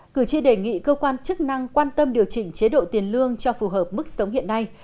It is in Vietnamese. cử tri đề nghị cơ quan chức năng quan tâm điều chỉnh chế độ tiền lương cho phù hợp mức sống hiện nay